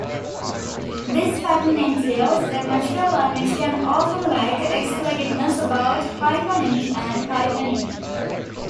This pattern entails that natural language can often lack explicitness about hyponymy and hypernymy.